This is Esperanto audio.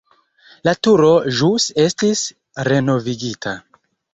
La turo ĵus estis renovigita.